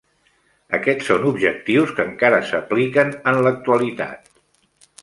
Aquests són objectius que encara s'apliquen en l'actualitat.